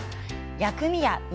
薬味や梅